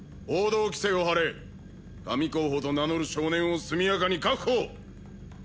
報道規制を張れ神候補と名乗る少年を速やかに確保！